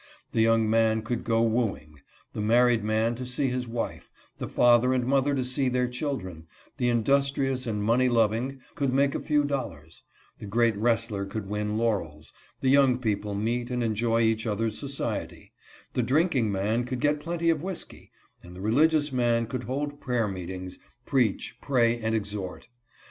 The young man could go 182 GUAEDING SLAVES. wooing, the married man to see his wife, the father and mother to see their children, the industrious and money loving could make a few dollars, the great wrestler could win laurels, the young people meet and enjoy each other's society, the drinking man could get plenty of whisky, and the religious man could hold prayer meetings, preach, pray, and exhort.